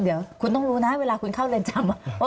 เดี๋ยวคุณต้องรู้นะเวลาคุณเข้าเรือนจำ